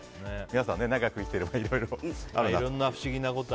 皆さん、長く生きていればいろいろあるなと。